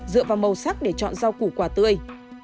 dựa vào màu sắc để chọn rau củ quả tươi